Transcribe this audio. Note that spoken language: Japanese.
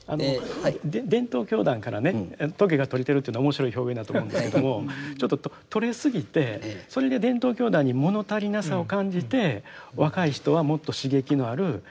伝統教団からね棘が取れてるというのは面白い表現だと思うんですけどもちょっと取れすぎてそれで伝統教団に物足りなさを感じて若い人はもっと刺激のあるカルトに。